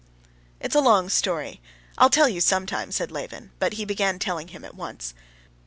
"It's a long story. I will tell you some time," said Levin, but he began telling him at once.